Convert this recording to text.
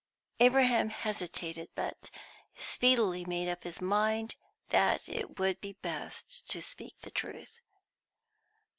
Abraham hesitated, but speedily made up his mind that it would be best to speak the truth.